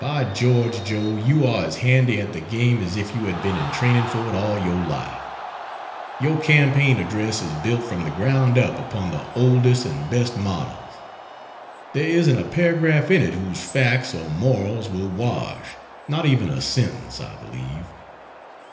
By George, Joe, you are as handy at the game as if you had been in training for it all your life. Your campaign Address is built from the ground up upon the oldest and best models. There isn't a paragraph in it whose facts or morals will wash not even a sentence, I believe.